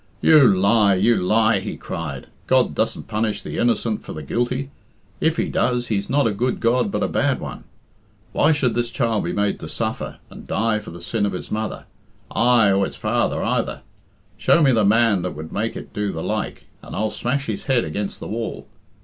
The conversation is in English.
"You lie! you lie!" he cried. "God doesn't punish the innocent for the guilty. If He does, He's not a good God but a bad one. Why should this child be made to suffer and die for the sin of its mother? Aye, or its father either? Show me the man that would make it do the like, and I'll smash his head against the wall.